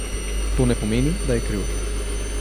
To ne pomeni, da je kriv.